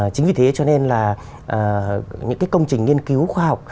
chính vì thế cho nên là những cái công trình nghiên cứu khoa học